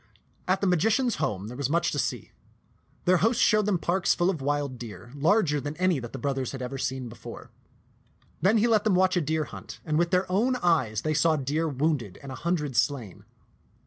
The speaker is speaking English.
At the magician's home there was much to see. Their host showed them parks full of wild deer, larger than any that the brothers had ever seen before. Then 194 t^t 5van^fin'0 tak he let them watch a deer hunt, and with their own eyes they saw deer wounded and a hundred slain.